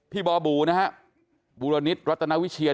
พี่บ่าบูนะฮะบูรณิสรัตนาวิเชียร์